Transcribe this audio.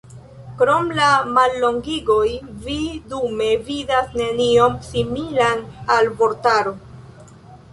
Krom la mallongigoj vi dume vidas nenion similan al vortaro.